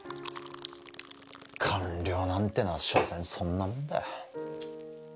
官僚なんてのはしょせんそんなもんだよ